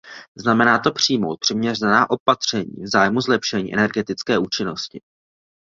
Znamená to přijmout přiměřená opatření v zájmu zlepšení energetické účinnosti.